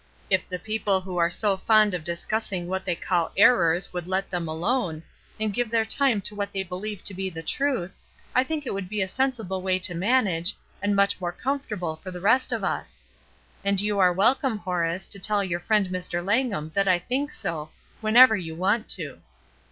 If the people who are so fond of discussing what they call ^errors' would let them alone, and give their time to what they beUeve to be truth, I think it would be a sensible way to manage, and much more comfortable for the rest of us. And you are welcome, Horace, to tell our friend Mr. Langham that I think so, whenever you want to."